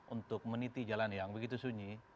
untuk meniti jalan yang begitu sunyi